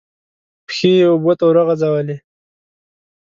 پښې یې اوبو ته ورغځولې.